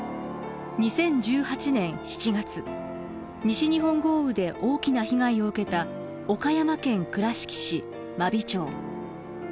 ２０１８年７月西日本豪雨で大きな被害を受けた岡山県倉敷市真備町。